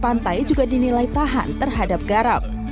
pantai juga dinilai tahan terhadap garam